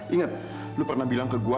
ingat lu pernah bilang ke gue